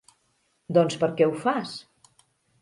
Doncs per què ho fas?